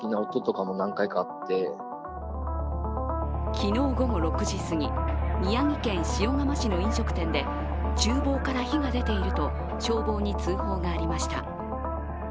昨日午後６時すぎ、宮城県塩竈市の飲食店でちゅう房から火が出ていると消防に通報がありました。